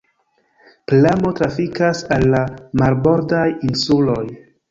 Pramo trafikas al la marbordaj insuloj.